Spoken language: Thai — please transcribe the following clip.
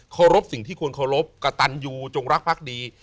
ขอรบสิ่งที่ควรขอรบกระตันอยู่จงรักพรรคดี